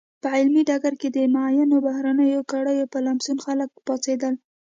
په علمي ډګر کې د معینو بهرنیو کړیو په لمسون خلک پاڅېدل.